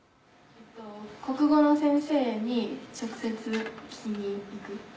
国語の先生に直接聞きに行く。